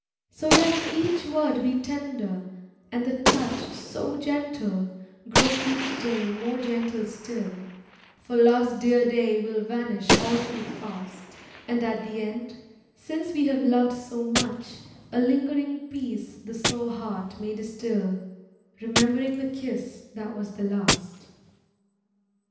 , So let each word be tender, and the touch So gentle, grow each day more gentle still, For Love's dear day will vanish all too fast; And, at the end, since we have loved so much, A lingering peace the sore heart may distil— Remembering the kiss that was the last.